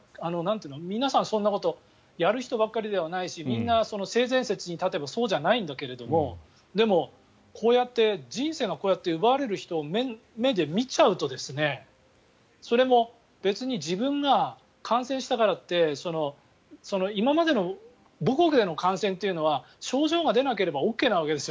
皆さん、そんなことをやる人ばかりじゃないし性善説に立てばそうじゃないんだけどでも人生が奪われる人を目で見ちゃうとそれも別に自分が感染したからって今までの母国での感染というのは症状が出なければＯＫなわけですよ